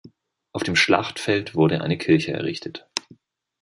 Auf dem Schlachtfeld wurde eine Kirche errichtet.